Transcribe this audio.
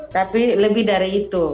tapi lebih dari itu